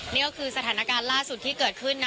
นี่ก็คือสถานการณ์ล่าสุดที่เกิดขึ้นนะ